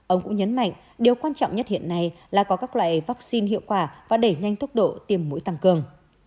ông cũng nhấn mạnh điều quan trọng nhất hiện nay là có các loại vaccine hiệu quả và đẩy nhanh tốc độ tiêm mũi tăng cường